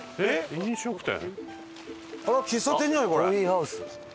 飲食店？